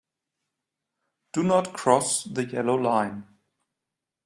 Do not cross the yellow line.